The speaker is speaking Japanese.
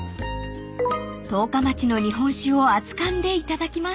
［十日町の日本酒を熱かんで頂きます］